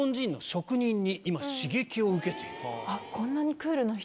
こんなにクールな人